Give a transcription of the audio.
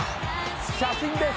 「写真です！